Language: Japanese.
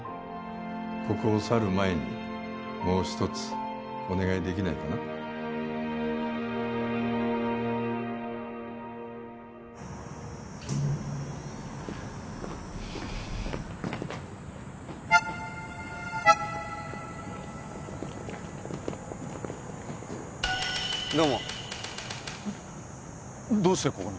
ここを去る前にもう一つお願いできないかなどうもどうしてここに？